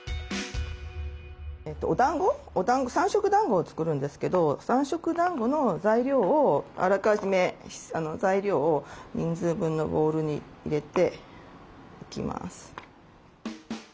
おだんご３色だんごを作るんですけど３色だんごの材料をあらかじめ人数分のボウルに入れていきます。